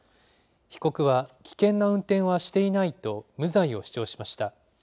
被告は、危険な運転はしていないと、無罪を主張しました。